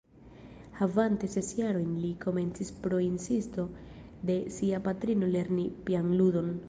Havante ses jarojn li komencis pro insisto de sia patrino lerni pianludon.